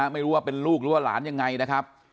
ไม่รู้ว่าเป็นลูกหรือว่าหลานอย่างไร